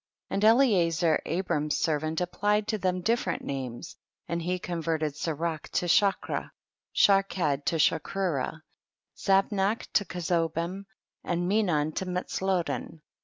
2. And Eliezcr Abraham's servant applied to them different names, and he converted Serak to *Shakra, Sharkad to Shakrura, Zabnac to Ke zobim, and Menon to Matzlodin.